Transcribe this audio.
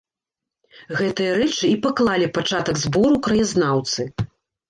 Гэтыя рэчы і паклалі пачатак збору краязнаўцы.